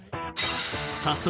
早速